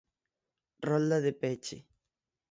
Rolda de peche.